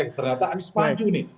eh ternyata anies maju nih